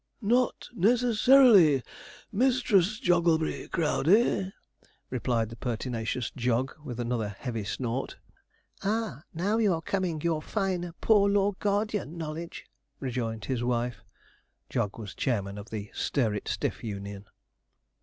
'Not necessarily. Mistress Jogglebury Crowdey,' replied the pertinacious Jog, with another heavy snort. 'Ah, now you're coming your fine poor law guardian knowledge,' rejoined his wife. Jog was chairman of the Stir it stiff Union.